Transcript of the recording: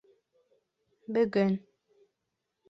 Бөгөн...